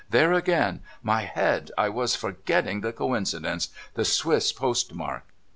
' There again ! My head ! I was forgetting the coincidence. The Swiss postmark.'